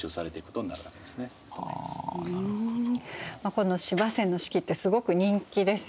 この司馬遷の「史記」ってすごく人気ですよね。